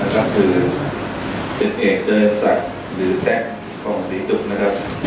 คือ๑๑เจอสัตว์หรือแท็กของศรีศุกร์